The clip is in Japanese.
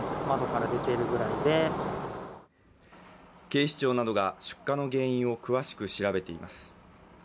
警視庁などが出火の原因を詳しく調べています。